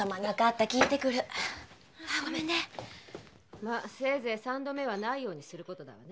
まあせいぜい三度目はないようにする事だわね。